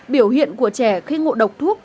biểu hiện của trẻ khi ngộ độc thuốc